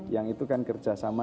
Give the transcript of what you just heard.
yang itu kan kerjasama